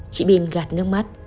chị pin gạt nước mắt